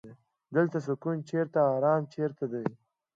دلته سکون چرته ارام چرته دی.